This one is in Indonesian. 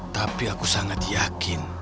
tapi aku sangat yakin